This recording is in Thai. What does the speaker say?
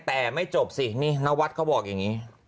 แต่ไม่จบสินี่นวัดเขาบอกอย่างนี้